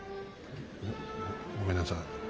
ごめんなさい。